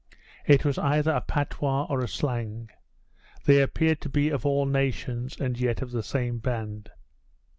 It was either a patois or a slang. They appeared to be of all nations, and yet of the same band.